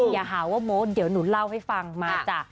อย่าหาว่าโม้เดี๋ยวหนูเล่าให้ฟังมาจ้ะ